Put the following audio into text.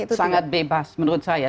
itu sangat bebas menurut saya